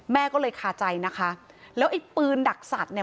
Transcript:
แม่ก็เลยคาใจนะคะแล้วไอ้ปืนดักสัตว์เนี่ย